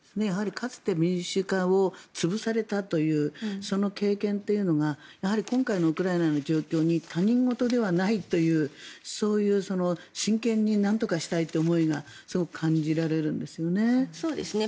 かつて民主化を潰されたというその経験というのが今回のウクライナの状況に他人事ではないという真剣になんとかしたいという思いがすごく感じられるんですよね。